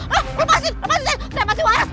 hah lepasin lepasin saya saya masih waras